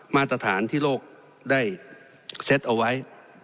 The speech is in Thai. มาตรฐานที่โลกได้เซตเอาไว้